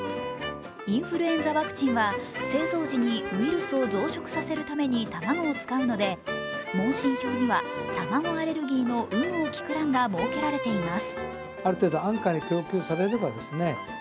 インフルエンザワクチンは製造時にウイルスを増殖させるために卵を使うので問診票には、卵アレルギーの有無を聞く欄が設けられています。